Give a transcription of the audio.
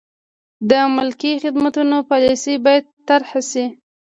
د ملکي خدمتونو پالیسي باید طرحه شي.